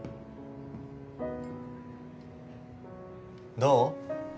・どう？